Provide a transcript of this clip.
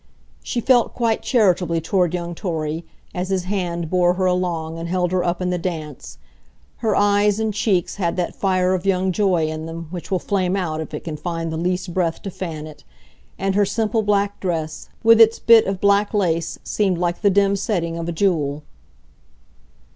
She felt quite charitably toward young Torry, as his hand bore her along and held her up in the dance; her eyes and cheeks had that fire of young joy in them which will flame out if it can find the least breath to fan it; and her simple black dress, with its bit of black lace, seemed like the dim setting of a jewel.